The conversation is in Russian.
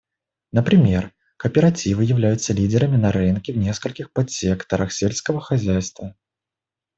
Например, кооперативы являются лидерами на рынке в нескольких подсекторах сельского хозяйства.